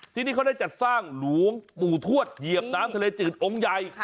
ที่นี่เขาได้จัดสร้างหลวงปู่ทวดเหยียบน้ำทะเลจืดองค์ใหญ่